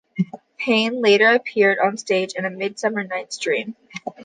Payne later appeared on stage in "A Midsummer Night's Dream".